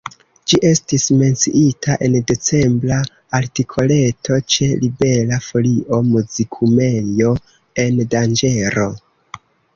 Ĝi estis menciita en decembra artikoleto ĉe Libera Folio, Muzikumejo en danĝero.